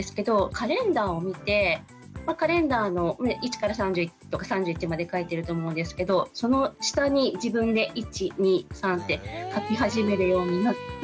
カレンダーを見てカレンダーの１から３０とか３１まで書いてると思うんですけどその下に自分で１２３って書き始めるようになって。